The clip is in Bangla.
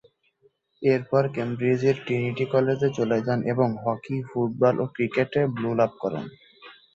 এরপর কেমব্রিজের ট্রিনিটি কলেজে চলে যান এবং হকি, ক্রিকেট ও ফুটবলে ব্লু লাভ করেন।